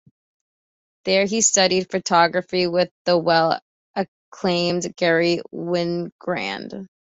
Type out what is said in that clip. There he studied photography with the well acclaimed Garry Winogrand.